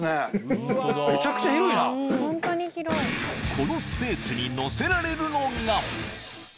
このスペースに載せられるのが！